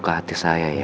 kenapa sih mama